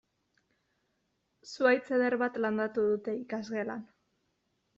Zuhaitz eder bat landatu dute ikasgelan.